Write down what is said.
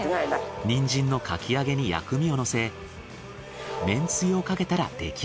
ニンジンのかき揚げに薬味をのせめんつゆをかけたら出来上がり。